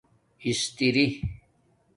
استرݵ